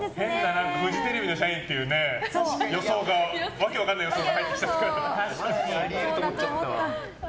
フジテレビの社員っていう訳分かんない予想が入ってきちゃった。